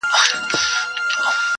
• قلم د زلفو يې د هر چا زنده گي ورانوي.